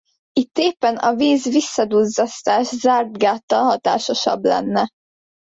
Itt éppen a víz-visszaduzzasztás zárt gáttal hatásosabb lenne.